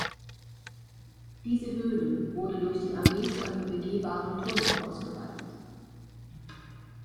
Diese Höhle wurde durch die Armee zu einem begehbaren Tunnel ausgeweitet.